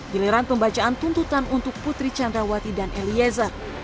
giliran pembacaan tuntutan untuk putri candrawati dan eliezer